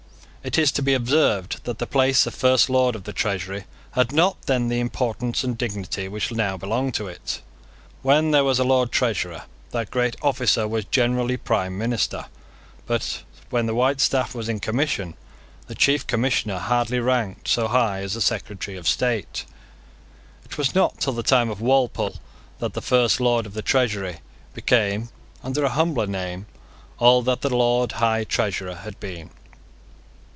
It is to be observed that the place of First Lord of the Treasury had not then the importance and dignity which now belong to it. When there was a Lord Treasurer, that great officer was generally prime minister: but, when the white staff was in commission, the chief commissioner hardly ranked so high as a Secretary of State. It was not till the time of Walpole that the First Lord of the Treasury became, under a humbler name, all that the Lord High Treasurer had been.